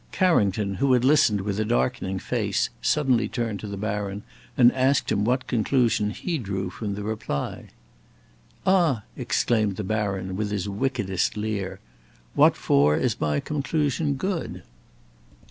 Carrington, who had listened with a darkening face, suddenly turned to the baron and asked him what conclusion he drew from the reply. "Ah!" exclaimed the baron, with his wickedest leer, "what for is my conclusion good?